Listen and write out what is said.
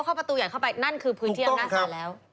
เข้าประตูใหญ่เข้าไปนั่นคือพื้นที่อำนาจศาลแล้ว